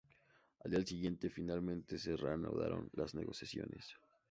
Al día siguiente, finalmente se reanudaron las negociaciones.